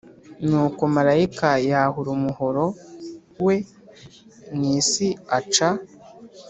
Nuko marayika yahura umuhoro we mu isi aca